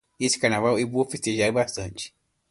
Neste carnaval eu vou festejar bastante.